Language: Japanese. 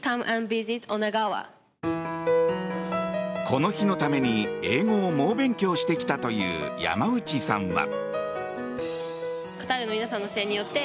この日のために英語を猛勉強してきたという山内さんは。